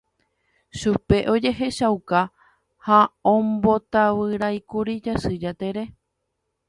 Chupe ojehechauka ha ombotavyraíkuri Jasy Jatere.